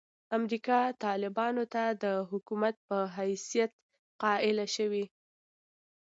امریکا طالبانو ته د حکومت په حیثیت قایله شوې.